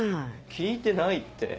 聞いてないって。